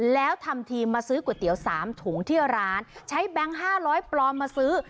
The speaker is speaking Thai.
แล้วทำทีมาซื้อก๋วยเตี๋ยว๓ถุงที่ร้านใช้แบงค์๕๐๐ปลอมมาซื้อ